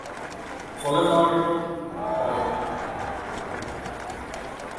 চলে যাওয়ারই তো ভয়, বাই।